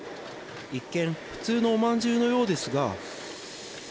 一見、普通のおまんじゅうのようですが。